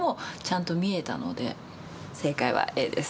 正解はＡです